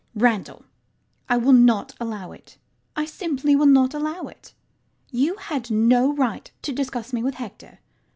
Randall: I will not allow it. I simply will not allow it. You had no right to discuss me with Hector.